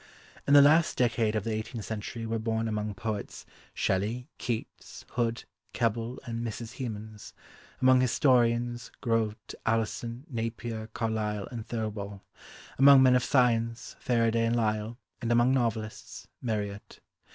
In the last decade of the eighteenth century were born among poets: Shelley, Keats, Hood, Keble, and Mrs. Hemans; among historians, Grote, Alison, Napier, Carlyle, and Thirlwall; among men of science, Faraday and Lyell; and among novelists, Marryat.